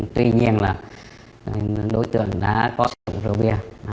tuy nhiên là đối tượng đã có sử dụng rượu bia